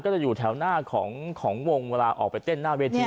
จะอยู่แถวหน้าของวงเวลาออกไปเต้นหน้าเวที